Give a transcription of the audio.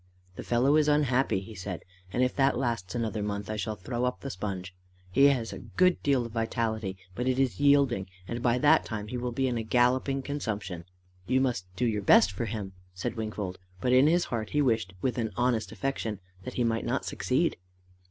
"The fellow is unhappy," he said, "and if that lasts another month, I shall throw up the sponge. He has a good deal of vitality, but it is yielding, and by that time he will be in a galloping consumption." "You must do your best for him," said Wingfold, but in his heart he wished, with an honest affection, that he might not succeed.